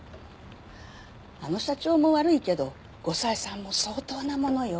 あの社長も悪いけど後妻さんも相当なものよ。